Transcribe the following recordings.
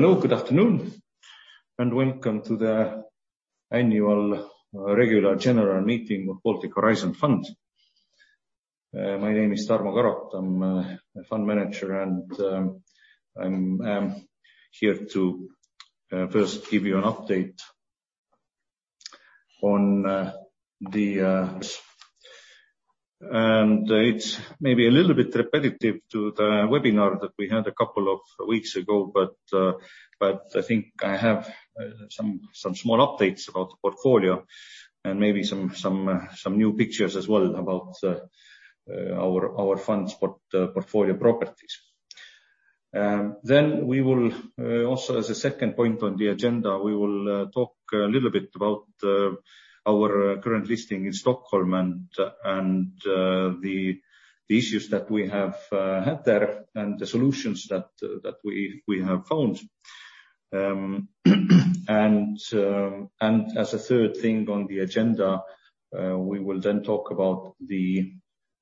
Hello, good afternoon, and welcome to the annual regular general meeting of Baltic Horizon Fund. My name is Tarmo Karotam. I'm a fund manager, and I'm here to first give you an update on the. It's maybe a little bit repetitive to the webinar that we had a couple of weeks ago, but I think I have some small updates about the portfolio and maybe some new pictures as well about our fund's portfolio properties. Then we will also as a second point on the agenda, we will talk a little bit about our current listing in Stockholm and the issues that we have had there and the solutions that we have found. As a third thing on the agenda, we will then talk about the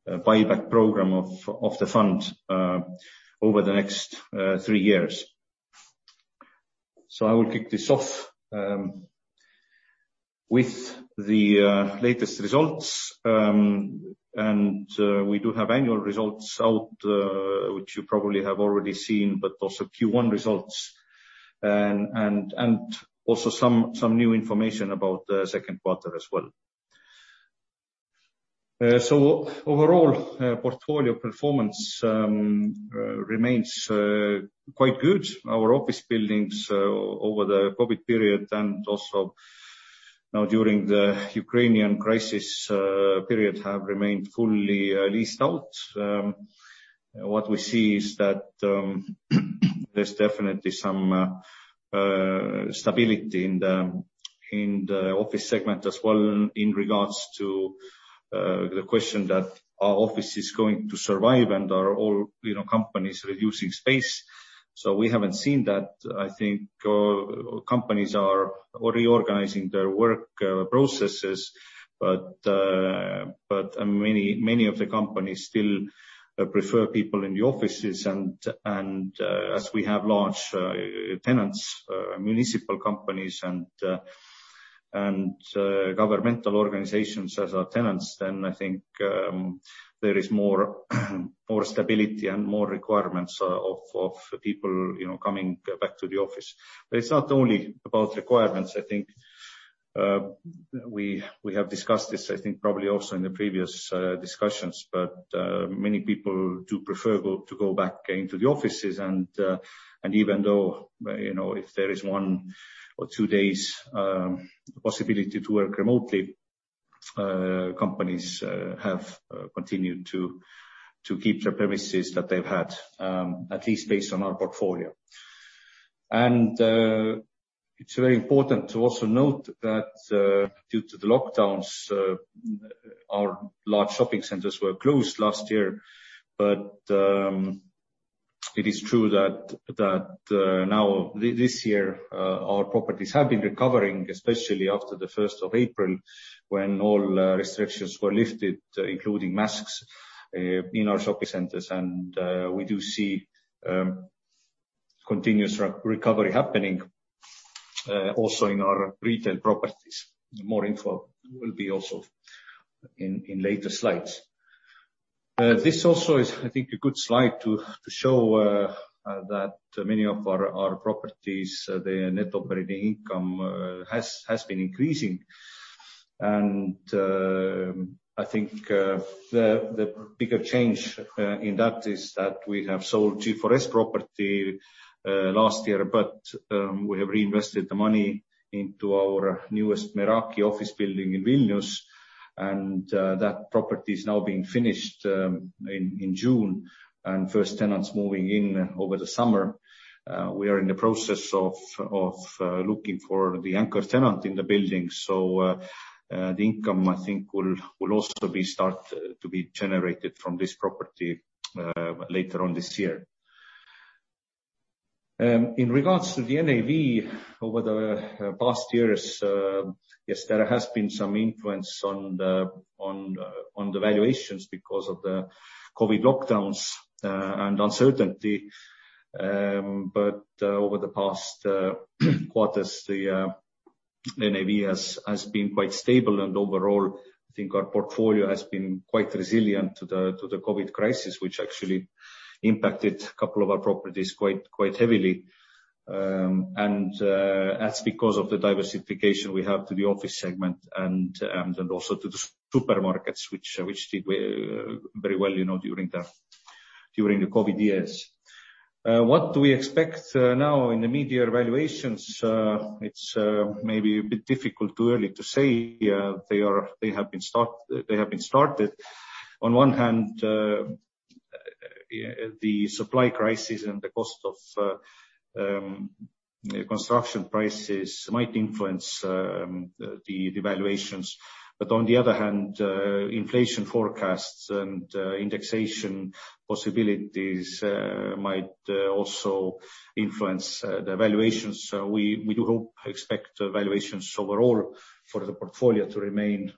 buyback program of the fund over the next three years. I will kick this off with the latest results. We do have annual results out, which you probably have already seen, but also Q1 results and also some new information about the 2nd quarter as well. Overall, portfolio performance remains quite good. Our office buildings over the COVID period and also now during the Ukrainian crisis period have remained fully leased out. What we see is that there's definitely some stability in the office segment as well in regards to the question that are offices going to survive and are all, you know, companies reducing space. We haven't seen that. I think companies are reorganizing their work processes, but many of the companies still prefer people in the offices and as we have large tenants, municipal companies and governmental organizations as our tenants, then I think there is more stability and more requirements of people, you know, coming back to the office. It's not only about requirements. I think we have discussed this, I think, probably also in the previous discussions, but many people do prefer to go back into the offices. Even though, you know, if there is one or two days possibility to work remotely, companies have continued to keep their premises that they've had, at least based on our portfolio. It's very important to also note that due to the lockdowns, our large shopping centers were closed last year. It is true that now this year, our properties have been recovering, especially after the first of April when all restrictions were lifted, including masks, in our shopping centers. We do see continuous recovery happening also in our retail properties. More info will be also in later slides. This also is, I think, a good slide to show that many of our properties their net operating income has been increasing. I think the bigger change in that is that we have sold G4S property last year, but we have reinvested the money into our newest Meraki office building in Vilnius. That property is now being finished in June and first tenants moving in over the summer. We are in the process of looking for the anchor tenant in the building. The income, I think, will also be start to be generated from this property later on this year. In regards to the NAV over the past years, yes, there has been some influence on the valuations because of the COVID lockdowns and uncertainty. Over the past quarters, the NAV has been quite stable. Overall, I think our portfolio has been quite resilient to the COVID crisis, which actually impacted a couple of our properties quite heavily. That's because of the diversification we have to the office segment and also to the supermarkets which did very well, you know, during the COVID years. What do we expect now in the mid-year valuations? It's maybe a bit difficult, too early to say. They have been started. On one hand, the supply crisis and the cost of construction prices might influence the valuations. On the other hand, inflation forecasts and indexation possibilities might also influence the valuations. We do hope, expect valuations overall for the portfolio to remain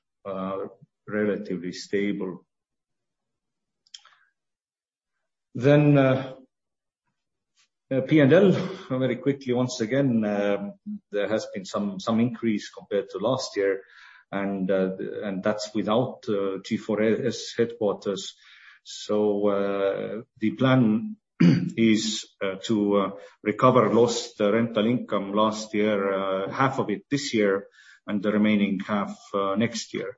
relatively stable. P&L very quickly once again. There has been some increase compared to last year, and that's without G4S headquarters. The plan is to recover lost rental income last year, half of it this year and the remaining half next year.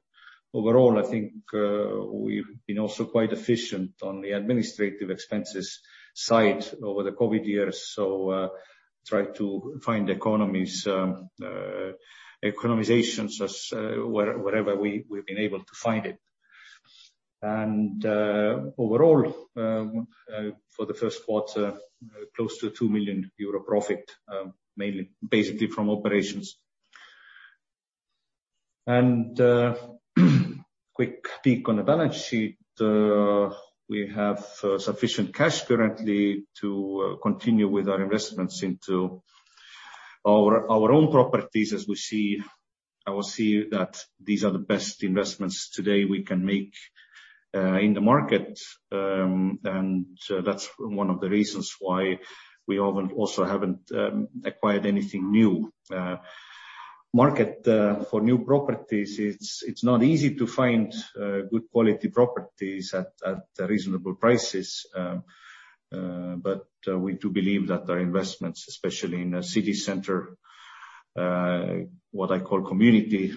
Overall, I think we've been also quite efficient on the administrative expenses side over the COVID years. Try to find economies, economizations wherever we've been able to find it. Overall, for the 1st quarter, close to 2 million euro profit, mainly basically from operations. Quick peek on the balance sheet. We have sufficient cash currently to continue with our investments into our own properties. I will see that these are the best investments today we can make in the market. That's one of the reasons why we also haven't acquired anything new. Market for new properties, it's not easy to find good quality properties at reasonable prices. We do believe that our investments, especially in a city center, what I call community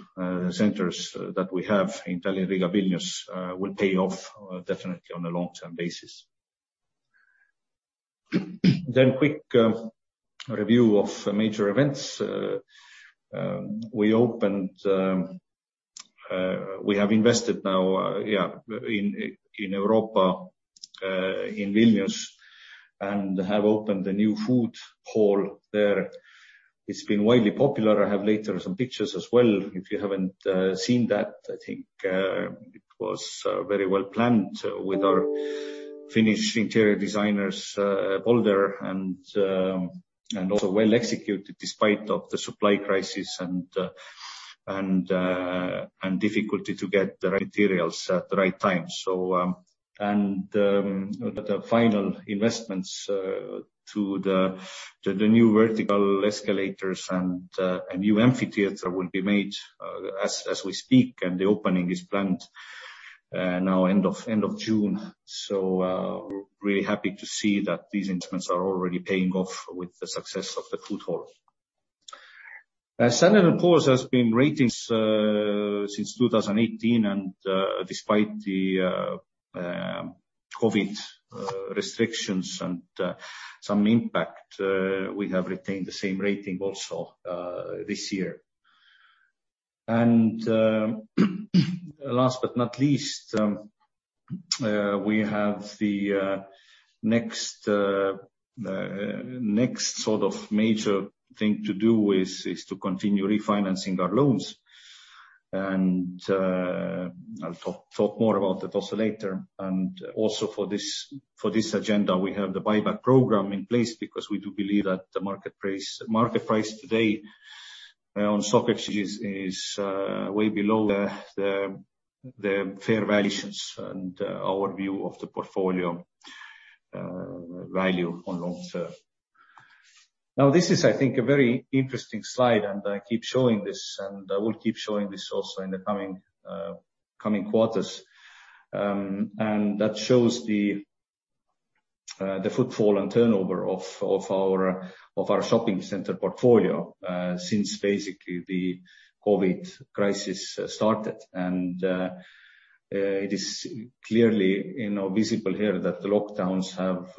centers that we have in Tallinn, Riga, Vilnius, will pay off definitely on a long-term basis. Quick review of major events. We have invested now in Europa in Vilnius and have opened a new food hall there. It's been widely popular. I have later some pictures as well, if you haven't seen that. I think it was very well planned with our Finnish interior designers, Bolder and also well executed despite of the supply crisis and difficulty to get the right materials at the right time. The final investments to the new vertical escalators and a new amphitheater will be made as we speak, and the opening is planned now end of June. We're really happy to see that these investments are already paying off with the success of the food hall. Standard & Poor's has been rating since 2018, and despite the COVID restrictions and some impact, we have retained the same rating also this year. Last but not least, we have the next sort of major thing to do is to continue refinancing our loans. I'll talk more about that also later. For this agenda, we have the buyback program in place because we do believe that the market price today on stock exchanges is way below the fair valuations and our view of the portfolio value on long term. This is I think a very interesting slide, and I keep showing this, and I will keep showing this also in the coming quarters. And that shows the footfall and turnover of our shopping center portfolio since basically the COVID crisis started. It is clearly, you know, visible here that the lockdowns have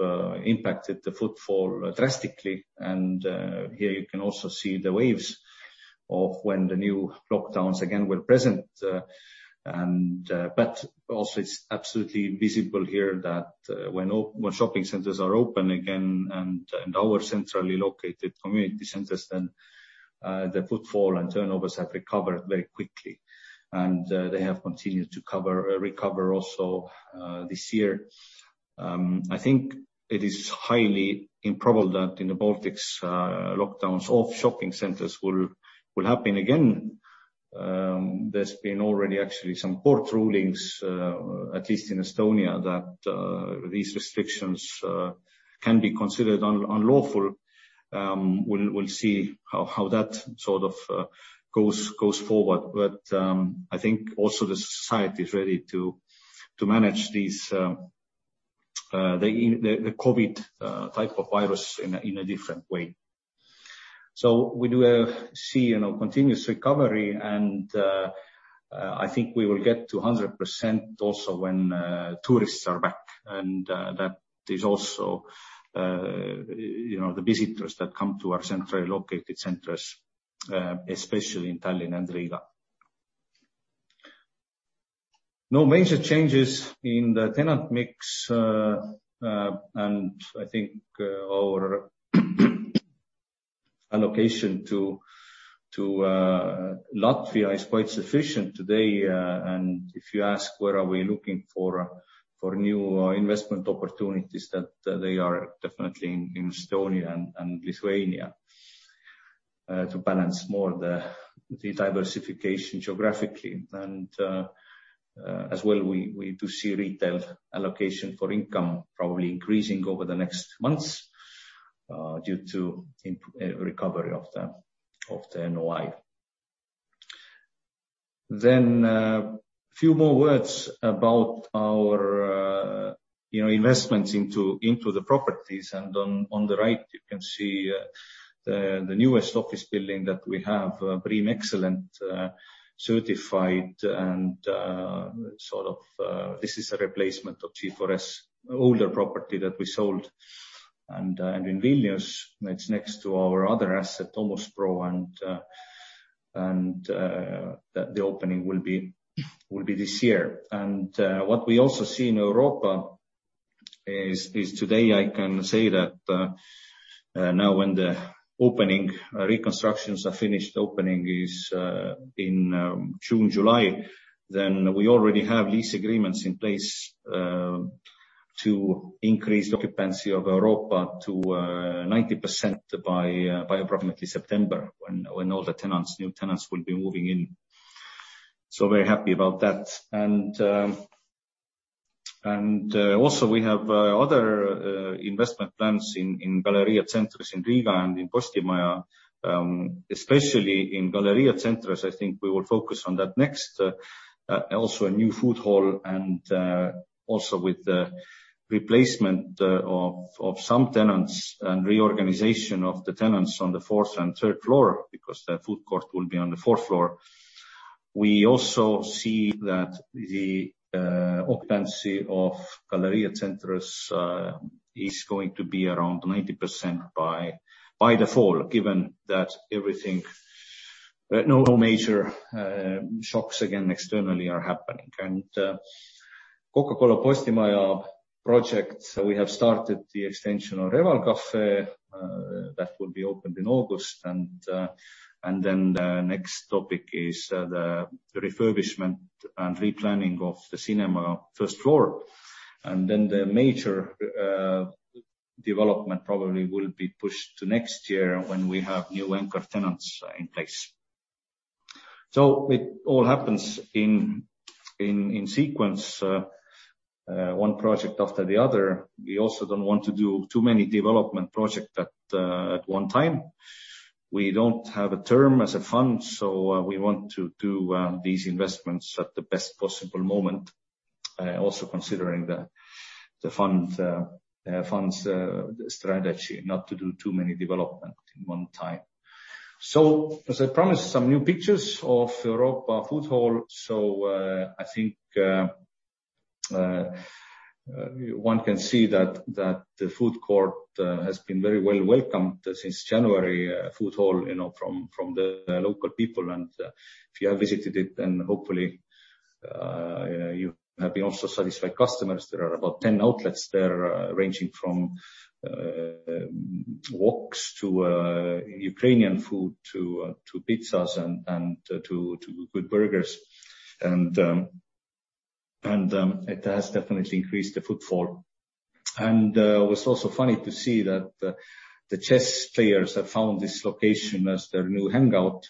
impacted the footfall drastically. Here you can also see the waves of when the new lockdowns again were present. But also it's absolutely visible here that when shopping centers are open again and our centrally located community centers then the footfall and turnovers have recovered very quickly, and they have continued to recover also this year. I think it is highly improbable that in the Baltics, lockdowns of shopping centers will happen again. There's been already actually some court rulings, at least in Estonia, that these restrictions can be considered unlawful. We'll see how that sort of goes forward. I think also the society is ready to manage these the COVID type of virus in a different way. We do see, you know, continuous recovery and I think we will get to 100% also when tourists are back. That is also, you know, the visitors that come to our centrally located centers, especially in Tallinn and Riga. No major changes in the tenant mix, and I think our allocation to Latvia is quite sufficient today. If you ask where we are looking for new investment opportunities, they are definitely in Estonia and Lithuania to balance more the diversification geographically. As well, we do see retail allocation for income probably increasing over the next months due to recovery of the NOI. Few more words about our you know investments into the properties. On the right you can see the newest office building that we have, BREEAM excellent certified and sort of this is a replacement of G4S older property that we sold. In Vilnius, it's next to our other asset, Domus Pro, and the opening will be this year. What we also see in Europa is today I can say that now when the reconstructions are finished, opening is in June, July, then we already have lease agreements in place to increase the occupancy of Europa to 90% by approximately September when all the new tenants will be moving in. Very happy about that. Also we have other investment plans in Galerija Centrs in Riga and in Postimaja, especially in Galerija Centrs, I think we will focus on that next. also a new food hall and also with the replacement of some tenants and reorganization of the tenants on the fourth and third floor, because the food court will be on the 4th floor. We also see that the occupancy of Galerija Centrs is going to be around 90% by the fall, given that everything, no major shocks again externally are happening. Coca-Cola Plaza Postimaja project, we have started the extension of Reval Cafe that will be opened in August. The next topic is the refurbishment and replanning of the cinema 1st floor. The major development probably will be pushed to next year when we have new anchor tenants in place. It all happens in sequence, one project after the other. We also don't want to do too many development project at one time. We don't have a term as a fund, so we want to do these investments at the best possible moment, also considering the fund's strategy not to do too many development in one time. As I promised, some new pictures of food hall. I think one can see that the food court has been very well welcomed since January, food hall you know from the local people. If you have visited it, then hopefully you have been also satisfied customers. There are about 10 outlets there, ranging from woks to Ukrainian food to pizzas and to good burgers. It has definitely increased the footfall. What's also funny to see that the chess players have found this location as their new hangout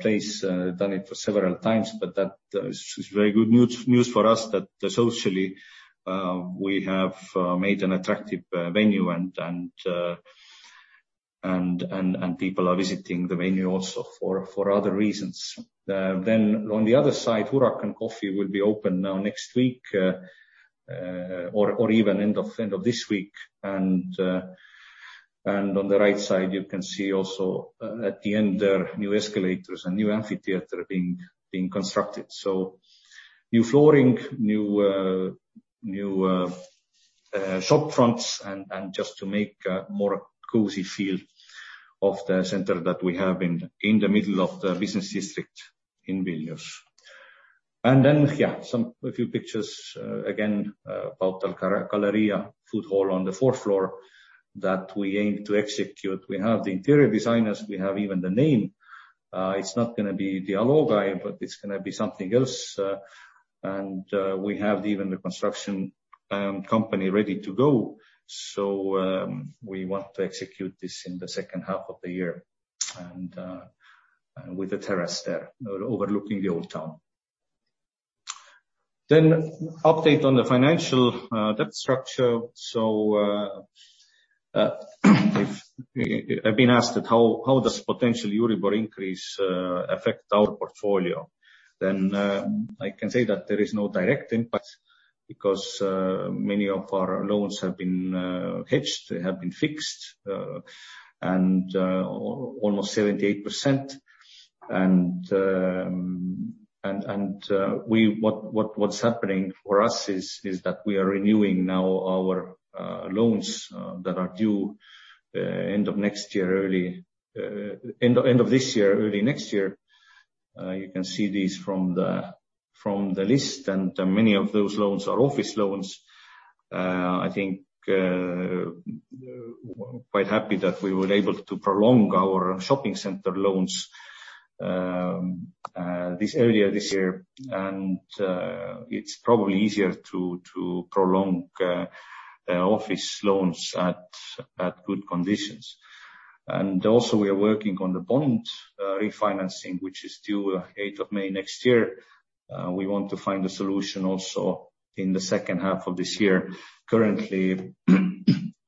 place. Done it for several times, but that is very good news for us that socially we have made an attractive venue and people are visiting the venue also for other reasons. On the other side, Huracan Coffee will be open now next week or even end of this week. On the right side, you can see also at the end there, new escalators and new amphitheater being constructed. New flooring, new shop fronts and just to make a more cozy feel of the center that we have in the middle of the business district in Vilnius. A few pictures about the Galerija Centrs Food Hall on the 4th floor that we aim to execute. We have the interior designers, we have even the name. It's not gonna be Dialogai, but it's gonna be something else. We have even the construction company ready to go. We want to execute this in the second half of the year and with the terrace there overlooking the old town. Update on the financial debt structure. I've been asked that how does potential Euribor increase affect our portfolio? I can say that there is no direct impact because many of our loans have been hedged. They have been fixed and almost 78%. What's happening for us is that we are renewing now our loans that are due end of next year, early end of this year, early next year. You can see these from the list, and many of those loans are office loans. I think we're quite happy that we were able to prolong our shopping center loans this year, and it's probably easier to prolong the office loans at good conditions. We are working on the bond refinancing, which is due eighth of May next year. We want to find a solution also in the second half of this year. Currently,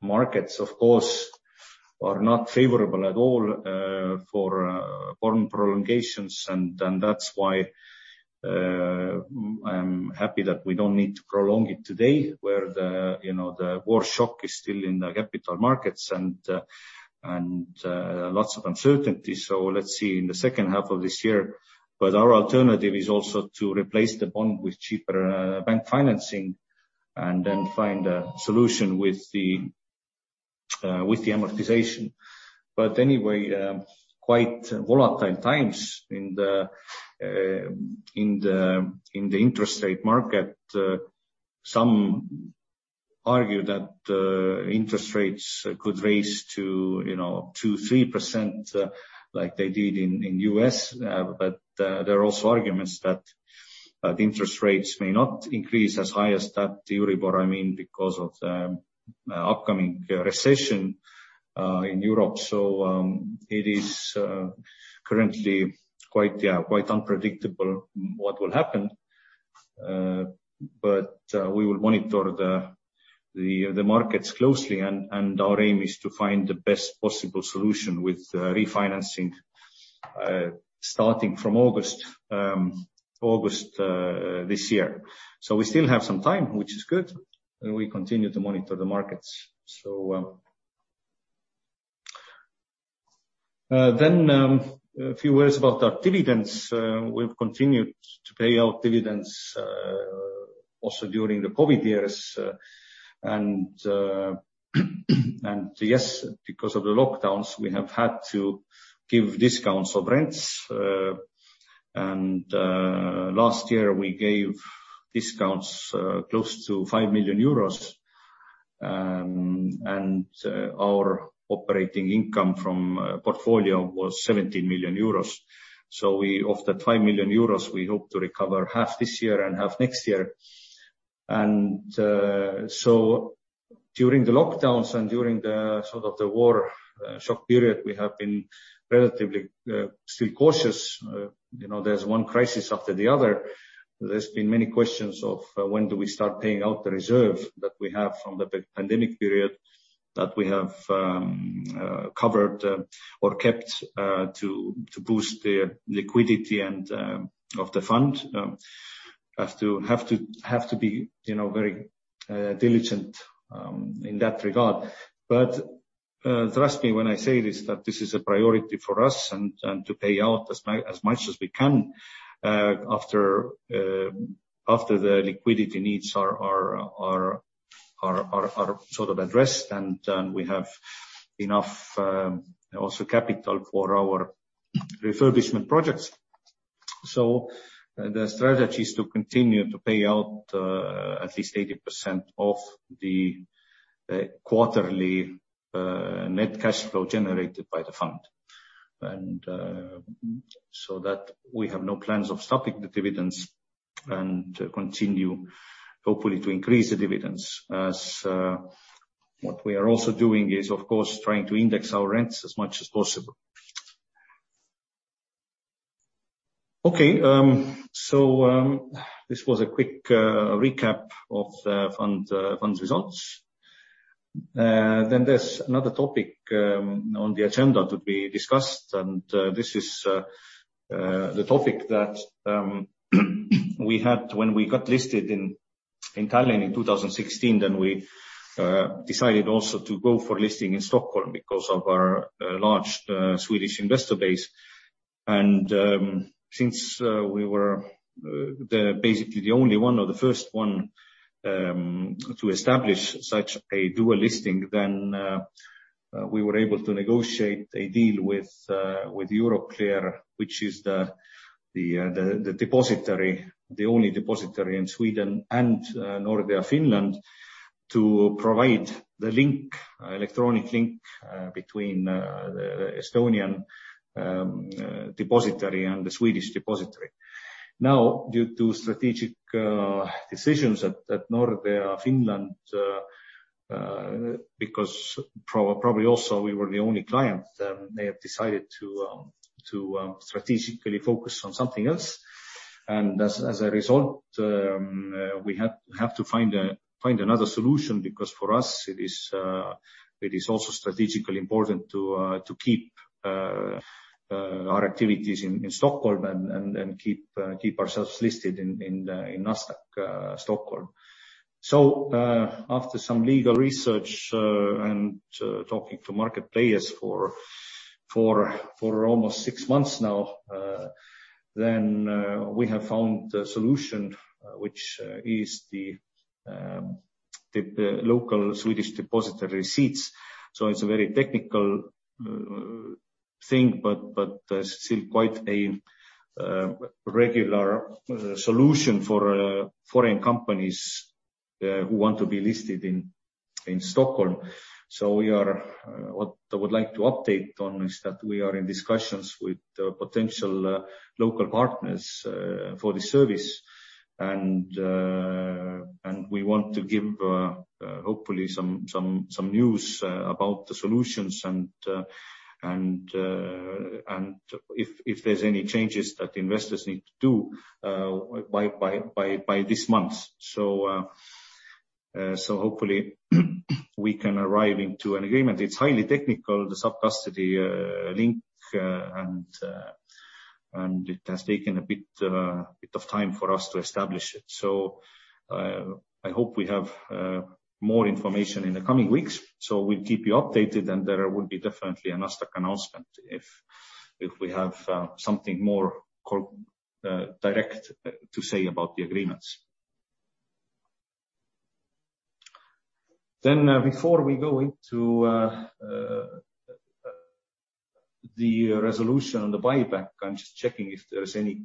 markets, of course, are not favorable at all for bond prolongations and then that's why I'm happy that we don't need to prolong it today where the, you know, the war shock is still in the capital markets and lots of uncertainty. Let's see in the second half of this year. Our alternative is also to replace the bond with cheaper bank financing and then find a solution with the amortization. Anyway, quite volatile times in the interest rate market. Some argue that interest rates could rise to, you know, 2%-3% like they did in U.S. There are also arguments that interest rates may not increase as high as that theory, but I mean because of the upcoming recession in Europe. It is currently quite unpredictable what will happen. We will monitor the markets closely and our aim is to find the best possible solution with refinancing starting from August this year. We still have some time, which is good, and we continue to monitor the markets. A few words about our dividends. We've continued to pay out dividends also during the COVID years. Yes, because of the lockdowns, we have had to give discounts on rents, and last year we gave discounts close to 5 million euros. Our operating income from portfolio was 17 million euros. Of the 5 million euros, we hope to recover half this year and half next year. During the lockdowns and during the sort of the war shock period, we have been relatively still cautious. You know, there's one crisis after the other. There's been many questions of when do we start paying out the reserve that we have from the pandemic period that we have covered or kept to boost the liquidity and of the fund. Have to be, you know, very diligent in that regard. Trust me when I say this, that this is a priority for us and to pay out as much as we can after the liquidity needs are sort of addressed, and we have enough also capital for our refurbishment projects. The strategy is to continue to pay out at least 80% of the quarterly net cash flow generated by the fund. That we have no plans of stopping the dividends and continue hopefully to increase the dividends as what we are also doing is, of course, trying to index our rents as much as possible. Okay, this was a quick recap of the fund's results. There's another topic on the agenda to be discussed, and this is the topic that we had when we got listed in Tallinn in 2016. We decided also to go for listing in Stockholm because of our large Swedish investor base. Since we were basically the only one or the first one to establish such a dual listing, we were able to negotiate a deal with Euroclear, which is the depository, the only depository in Sweden and Nordea Finland to provide the link, electronic link between the Estonian depository and the Swedish depository. Due to strategic decisions at Nordea Finland, because probably also we were the only client, they have decided to strategically focus on something else. As a result, we have to find another solution because for us it is also strategically important to keep our activities in Stockholm and keep ourselves listed in Nasdaq Stockholm. After some legal research and talking to market players for almost six months now, we have found a solution, which is the local Swedish depository receipts. It's a very technical thing, but still quite a regular solution for foreign companies who want to be listed in Stockholm. What I would like to update on is that we are in discussions with potential local partners for the service. And we want to give hopefully some news about the solutions and if there's any changes that investors need to do by this month. So hopefully we can arrive into an agreement. It's highly technical, the sub-custody link. And it has taken a bit of time for us to establish it. I hope we have more information in the coming weeks, so we'll keep you updated and there will be definitely a Nasdaq announcement if we have something more direct to say about the agreements. Before we go into the resolution on the buyback, I'm just checking if there's any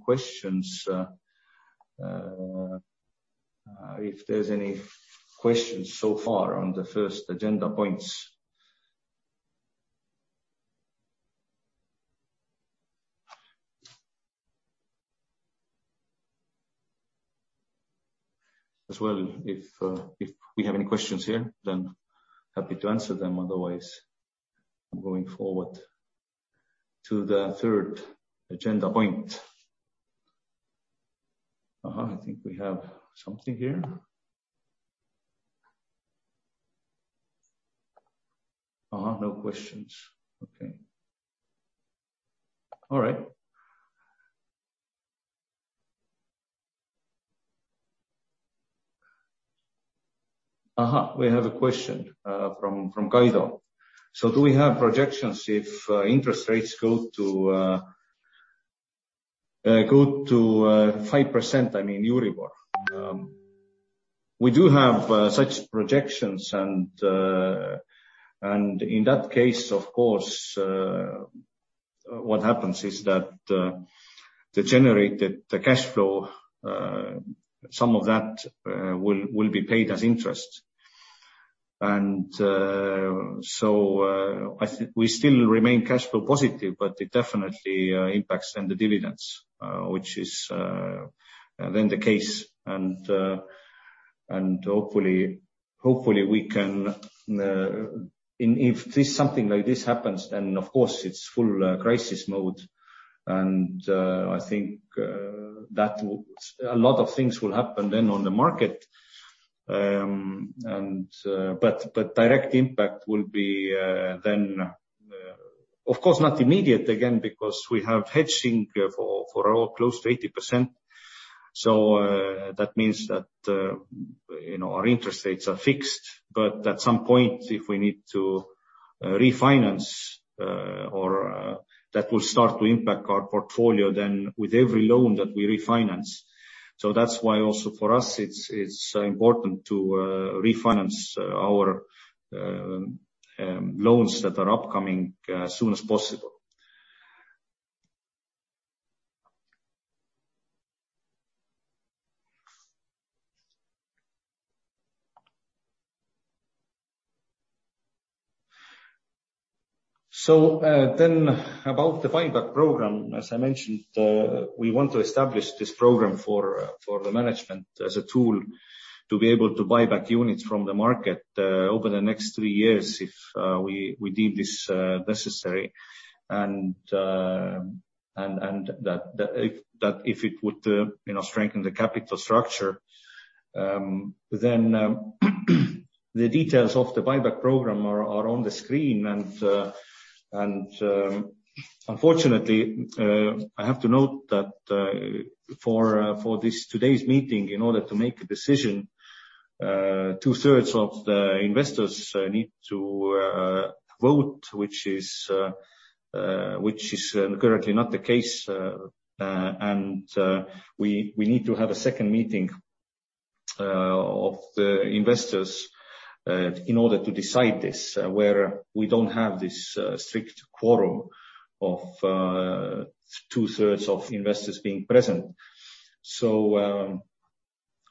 questions so far on the first agenda points. As well, if we have any questions here, then happy to answer them. Otherwise, I'm going forward to the third agenda point. I think we have something here. No questions. Okay. All right. We have a question from Kaido. Do we have projections if interest rates go to 5%, I mean, Euribor? We do have such projections and in that case, of course, what happens is that the generated cash flow, some of that will be paid as interest. We still remain cash flow positive, but it definitely impacts then the dividends, which is then the case. Hopefully we can. If something like this happens, then of course it's full crisis mode. I think that will. A lot of things will happen then on the market. But direct impact will be then, of course, not immediate again because we have hedging for our close to 80%. That means that, you know, our interest rates are fixed, but at some point, if we need to refinance, that will start to impact our portfolio then with every loan that we refinance. That's why also for us it's important to refinance our loans that are upcoming as soon as possible. About the buyback program. As I mentioned, we want to establish this program for the management as a tool to be able to buy back units from the market over the next 3 years if we deem this necessary. And that if it would, you know, strengthen the capital structure, then the details of the buyback program are on the screen. Unfortunately, I have to note that for today's meeting in order to make a decision, two-thirds of the investors need to vote, which is currently not the case. We need to have a second meeting of the investors in order to decide this, where we don't have this strict quorum of two-thirds of investors being present.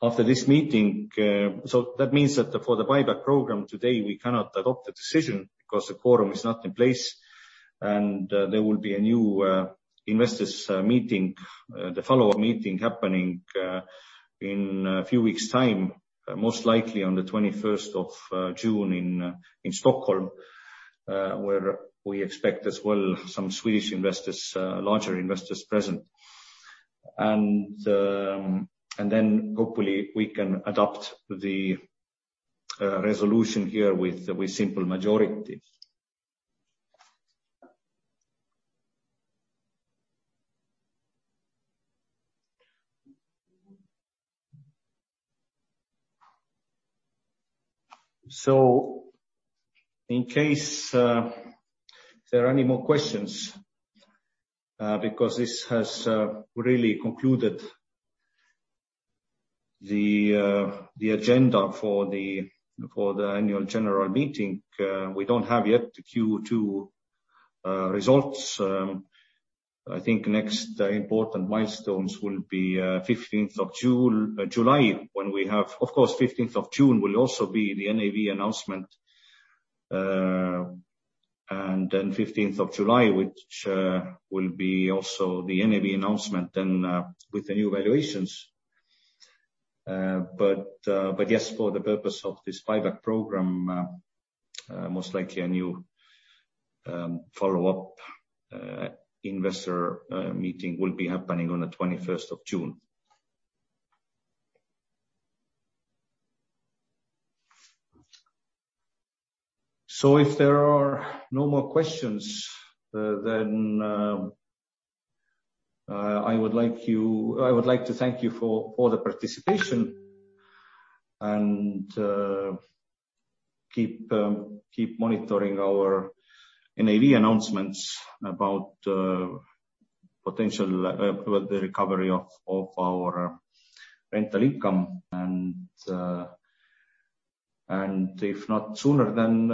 After this meeting, that means that for the buyback program today, we cannot adopt a decision because the quorum is not in place. There will be a new investors meeting, the follow-up meeting happening in a few weeks time, most likely on the 21st of June in Stockholm, where we expect as well some Swedish investors, larger investors present. Then hopefully we can adopt the resolution here with simple majority. In case there are any more questions, because this has really concluded the agenda for the annual general meeting, we don't have yet the Q2 results. I think next important milestones will be 15th of June, 15th of July. Of course, 15th of June will also be the NAV announcement. 15th of July will be also the NAV announcement then with the new valuations. Yes, for the purpose of this buyback program, most likely a new follow-up investor meeting will be happening on the 21st of June. If there are no more questions, then I would like to thank you for the participation and keep monitoring our NAV announcements about potential, the recovery of our rental income and, if not sooner, then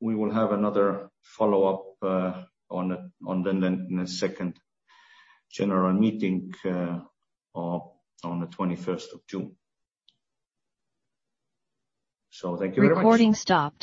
we will have another follow-up on the second general meeting on the 21st of June. Thank you very much. Recording stop.